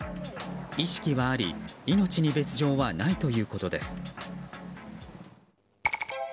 意識はあり命に別条はないということです。